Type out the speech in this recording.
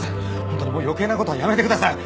ホントにもう余計なことはやめてください。